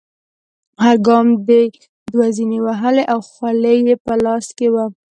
هر ګام دې دوه زینې وهلې او خولۍ په لاس کې وه.